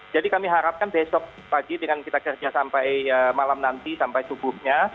kami harapkan besok pagi dengan kita kerja sampai malam nanti sampai subuhnya